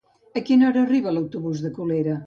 A quina hora arriba l'autobús de Colera?